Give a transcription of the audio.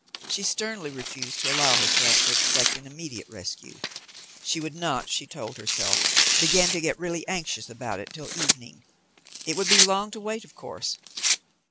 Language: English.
She sternly refused to allow herself to expect an immediate rescue. She would not, she told herself, begin to get really anxious about it till evening. It would be long to wait, of course.